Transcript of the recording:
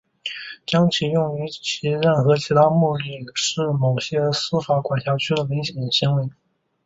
将其用于任何其他目的是某些司法管辖区的犯罪行为。